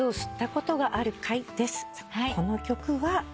この曲は。